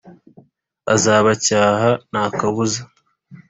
Izabacyaha nta kabuza